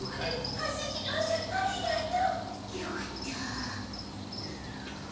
はす次郎さんありがとう。よかった。